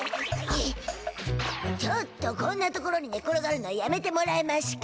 ちょっとこんな所にね転がるのはやめてもらえましゅか？